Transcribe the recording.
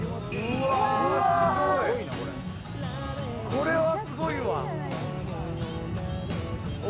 これはすごいわ！